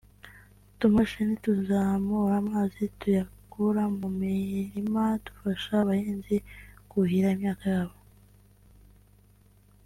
utumashini tuzamura amazi tuyakura mu mirima dufasha abahinzi kuhira imyaka yabo